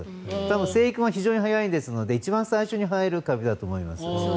生育も非常に速いので一番最初に生えるカビだと思います。